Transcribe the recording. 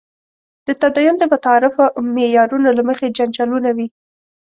د تدین د متعارفو معیارونو له مخې جنجالونه وي.